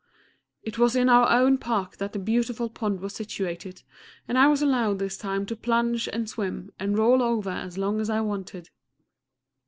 It was in our own park that the beautiful pond was situated, and I was allowed this time to plunge and swim, and roll over as long as I wanted.